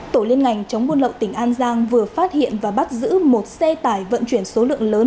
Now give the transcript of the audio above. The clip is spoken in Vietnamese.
tổ liên ngành chống buôn lậu tỉnh an giang vừa phát hiện và bắt giữ một xe tải vận chuyển số lượng lớn